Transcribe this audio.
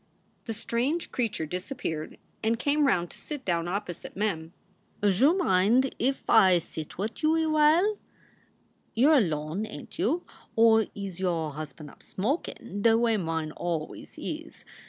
The strange creature disappeared and came round to sit down opposite Mem. " Joo mind if I set in with you awhile? You re alone, ain t you? Or is your husban up smokin , the way mine always is?